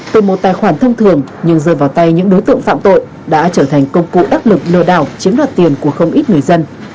từ một tài khoản thông thường nhưng rơi vào tay những đối tượng phạm tội đã trở thành công cụ đắc lực lừa đảo chiếm đoạt tiền của không ít người dân